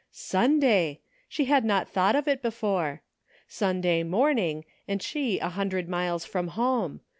Sunday! she had not thought of it before. Sunday morning, and she a hundred miles from home